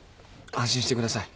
安心してください